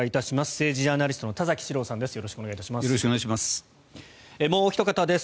政治ジャーナリストの田崎史郎さんです。